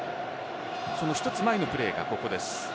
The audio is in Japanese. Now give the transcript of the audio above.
その一つ前のプレーがここです。